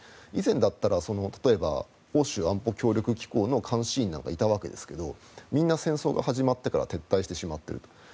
以前だったら例えば欧州安保協力機構の監視員なんかいたわけですがみんな戦争が始まってから撤退してしまっていると。